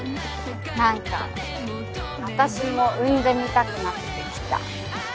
何か私も産んでみたくなってきた。